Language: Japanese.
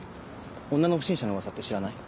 女の不審者のウワサって知らない？